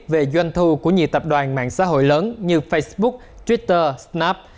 về doanh thu của nhiều tập đoàn mạng xã hội lớn như facebook twitter snap